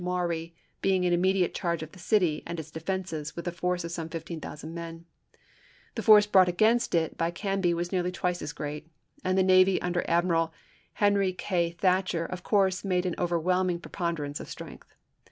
Maury being in immediate charge of the city and its defenses, with a force of some 15,000 men. The force brought against it by Canby was nearly twice as great; and the navy under Admiral Henry K. Thatcher of course made an overwhelm ing preponderance of strength.